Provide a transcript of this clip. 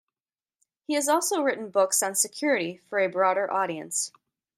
He has also written books on security for a broader audience.